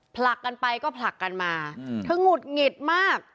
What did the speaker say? ผลักกันไปก็ผลักกันมาเธอหงุดหงิดมาก